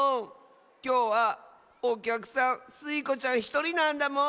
きょうはおきゃくさんスイ子ちゃんひとりなんだもん。